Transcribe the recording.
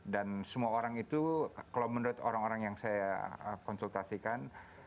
dan semua orang itu kalau menurut orang orang yang saya konsultasikan